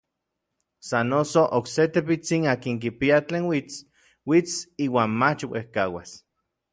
Sa noso, okse tepitsin akin kipia tlen uits, uits iuan mach uejkauas.